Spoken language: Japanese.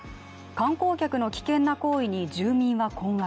観光客の危険な行為に住民は困惑